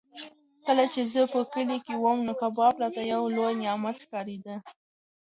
کله چې زه په کلي کې وم نو کباب راته یو لوی نعمت ښکارېده.